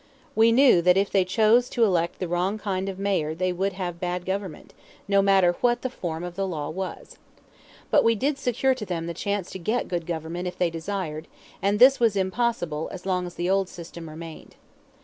We knew that if they chose to elect the wrong kind of Mayor they would have bad government, no matter what the form of the law was. But we did secure to them the chance to get good government if they desired, and this was impossible as long as the old system remained.